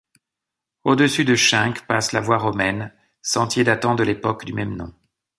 Au-dessus de Chainq passe la voie romaine, sentier datant de l'époque du même nom.